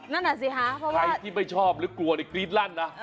นั่นเหรอสิฮะเพราะว่าใครที่ไม่ชอบหรือกลัวเลยกรี๊ดลั่นนะ